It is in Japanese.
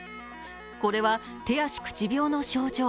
これは手足口病の症状。